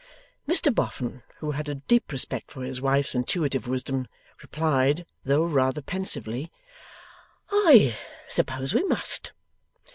Mr Boffin, who had a deep respect for his wife's intuitive wisdom, replied, though rather pensively: 'I suppose we must.